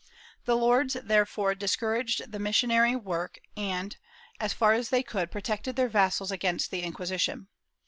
The lords therefore dis couraged all missionary work and, as far as they could, protected their vassals against the Inquisition.